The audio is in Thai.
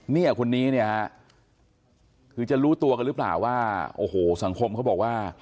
เนี่ยคนนี้เนี่ยฮะคือจะรู้ตัวกันหรือเปล่าว่าโอ้โหสังคมเขาบอกว่า